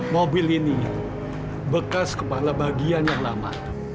mobil ini bekas kepala bagian yang lama